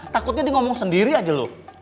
takutnya di ngomong sendiri aja lu